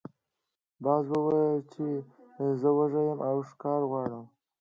باز وویل چې زه وږی یم او ښکار غواړم.